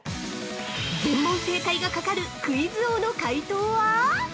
◆全問正解がかかるクイズ王の解答は？